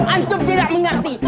antum tidak mengerti